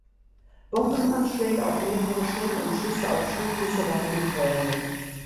Bombenanschläge auf mehrere Schulen und Schüsse auf Schulbusse waren die Folge.